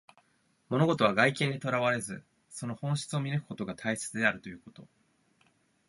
物事は外見にとらわれず、その本質を見抜くことが大切であるということ。